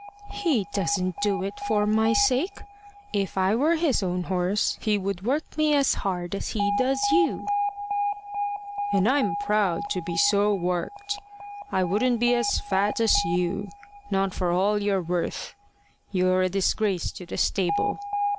"He doesn't do it for my sake. If I were his own horse, he would work me as hard as he does you." "And I'm proud to be so worked. I wouldn't be as fat as you not for all you're worth. You're a disgrace to the stable.